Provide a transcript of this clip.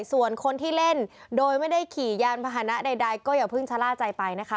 ส่วนคนที่เล่นโดยไม่ได้ขี่ยานพาหนะใดก็อย่าเพิ่งชะล่าใจไปนะคะ